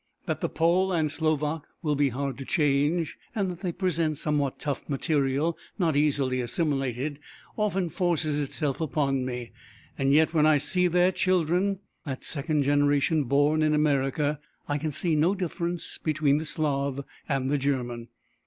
That the Pole and Slovak will be hard to change, and that they present somewhat tough material, not easily assimilated, often forces itself upon me; yet when I see their children, that second generation, born in America, I can see no difference between the Slav and the German.